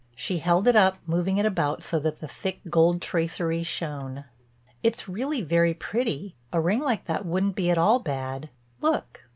She held it up, moving it about so that the thick gold tracery shone: "It's really very pretty. A ring like that wouldn't be at all bad. Look!"